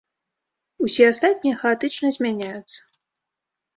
Усе астатнія хаатычна змяняюцца.